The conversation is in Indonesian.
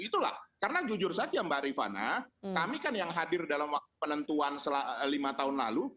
itulah karena jujur saja mbak rifana kami kan yang hadir dalam penentuan lima tahun lalu